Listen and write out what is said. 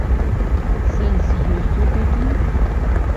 Сэнс ёсць у гэтым?